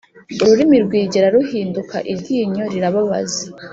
ururimi rwigera ruhinduka iryinyo ribabaza